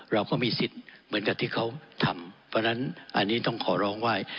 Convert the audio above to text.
เราก็มีสิทธิ์เหมือนกับที่เขาทำเพราะฉะนั้นอันนี้ต้องขอร้องว่า